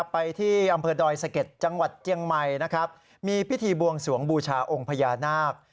ไปที่อำเภอดอยสะเก็ดจังหวัดเจียงใหม่นะครับมีพิธีบวงสวงบูชาองค์พญานาค